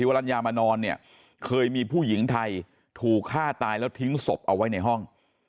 วรรณญามานอนเนี่ยเคยมีผู้หญิงไทยถูกฆ่าตายแล้วทิ้งศพเอาไว้ในห้อง